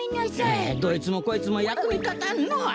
どいつもこいつもやくにたたんのう。